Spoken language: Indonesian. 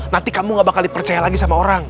nanti kamu gak bakal dipercaya lagi sama orang